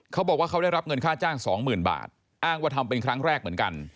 เขาบอกว่าเขาได้รับเงินค่าจ้างสองหมื่นบาทอ้างว่าทำเป็นครั้งแรกเหมือนกัน